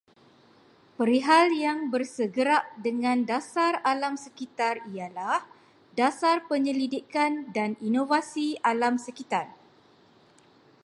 Perihal yang bersegerak dengan dasar alam sekitar ialah dasar penyelidikan dan inovasi alam sekitar